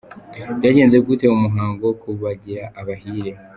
Byagenze gute mu muhango wo kubagira abahire?.